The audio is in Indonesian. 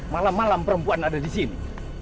malam malam perempuan ada disini